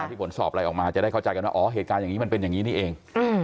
ที่ผลสอบไลน์ออกมาจะได้เข้าใจกันว่าเหตุการณ์มันเป็นอย่างนี้นี่เอง